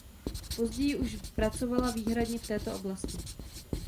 Později už pracovala výhradně v této oblasti.